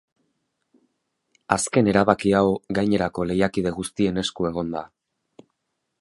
Azken erabaki hau gainerako lehiakide guztien esku egon da.